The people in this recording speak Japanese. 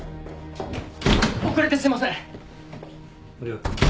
遅れてすいません！